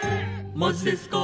「マジですか」